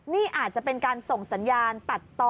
นี่อาจจะเป็นการส่งสัญญาณตัดต่อ